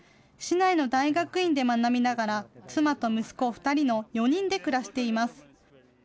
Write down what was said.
市内の大学院で学びながら、妻と息子２人の４人で暮らしています。